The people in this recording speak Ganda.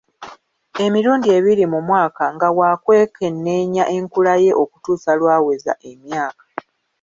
Emirundi ebiri mu mwaka nga wekwekenneenya enkula ye okutuusa lw'aweza emyaka.